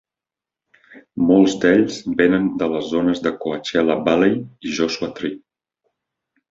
Molts d"ells venen de les zones de Coachella Valley i Joshua Tree.